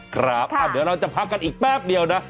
ครับเดี๋ยวเราจะพักกันอีกแป๊บเดียวนะ